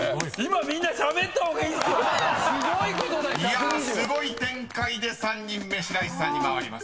［いやすごい展開で３人目白石さんに回ります］